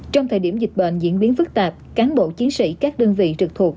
trong thời điểm dịch bệnh diễn biến phức tạp cán bộ chiến sĩ các đơn vị trực thuộc